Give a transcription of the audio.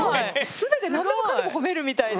全て何でもかんでも褒めるみたいな。